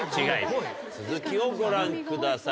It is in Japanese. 続きをご覧ください。